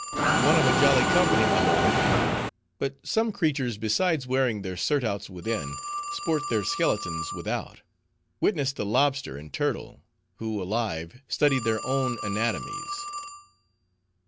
"One of a jolly company, my lord; but some creatures besides wearing their surtouts within, sport their skeletons without: witness the lobster and turtle, who alive, study their own anatomies."